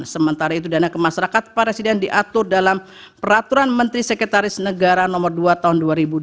sementara itu dana ke masyarakat presiden diatur dalam peraturan menteri sekretaris negara no dua tahun dua ribu dua puluh